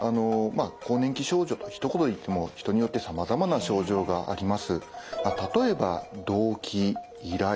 更年期症状とひと言で言っても人によってさまざまな症状があります。